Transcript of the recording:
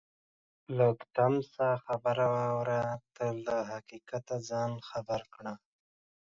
لږ تم شه خبره واوره ته له حقیقته ځان خبر کړه